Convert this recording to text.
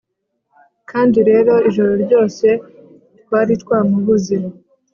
kandi rero, ijoro ryose- twari twamubuze